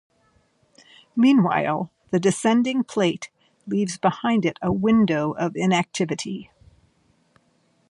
Meanwhile, the descending plate leaves behind it a "window" of inactivity.